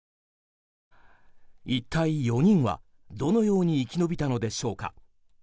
一体４人は、どのように生き延びたのでしょうか。